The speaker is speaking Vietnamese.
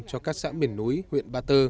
cho các xã miền núi huyện ba tơ